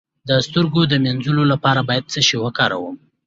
د سترګو د مینځلو لپاره باید څه شی وکاروم؟